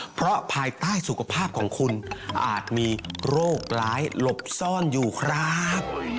เพราะภายใต้สุขภาพของคุณอาจมีโรคร้ายหลบซ่อนอยู่ครับ